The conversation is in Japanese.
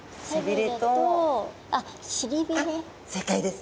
正解です。